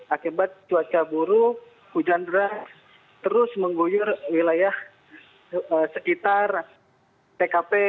akibat cuaca buruk hujan deras terus mengguyur wilayah sekitar tkp